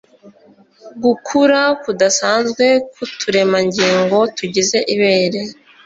gukura kudasanzwe k'uturemangingo tugize ibere